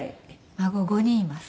孫５人います。